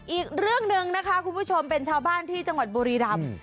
อีกเรื่องหนึ่งนะคะคุณผู้ชมเป็นชาวบ้านที่จังหวัดบุรีรำ